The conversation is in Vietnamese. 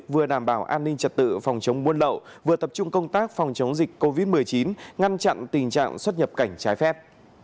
vừa đảm bảo an ninh trật tự phòng chống buôn lậu vừa tập trung công tác phòng chống dịch covid một mươi chín ngăn chặn tình trạng xuất nhập cảnh trái phép